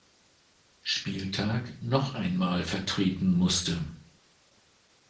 Spieltag noch einmal vertreten musste.